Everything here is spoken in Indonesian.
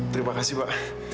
terima kasih pak